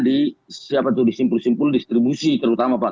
di simpul simpul distribusi terutama pak